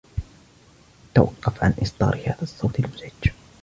توقف عن اصدار هذا الصوت المزعج